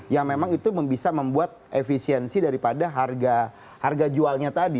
yang memang itu bisa membuat efisiensi daripada harga jualnya tadi